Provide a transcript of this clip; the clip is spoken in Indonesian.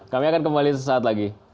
kami akan kembali sesaat lagi